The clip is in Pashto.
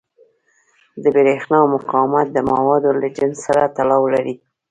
د برېښنا مقاومت د موادو له جنس سره تړاو لري.